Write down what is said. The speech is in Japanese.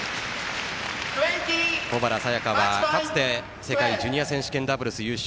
保原彩夏は、かつて世界ジュニア選手権ダブルス優勝。